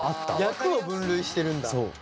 役を分類してるんだ。